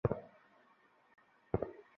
থিরুছেন্দুরে গেছিলে নাকি?